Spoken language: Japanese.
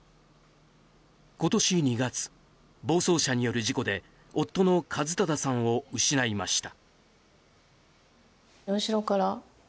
今年２月、暴走車による事故で夫の一匡さんを失いました。